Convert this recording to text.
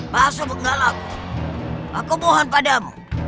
pak subenggala aku mohon padamu